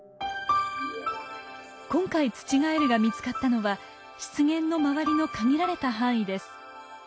今回ツチガエルが見つかったのは湿原の周りの限られた範囲です。